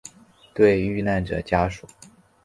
对罹难者家属